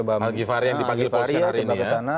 algi farya yang dipanggil polisian hari ini ya